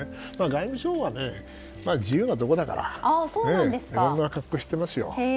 外務省は自由なところだからいろんな格好していますよ。